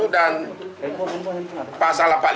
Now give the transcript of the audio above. dan pasal empat puluh lima